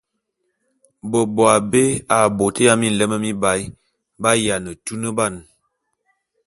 Beboabé a bôt ya minlem mibaé b’ayiane tuneban.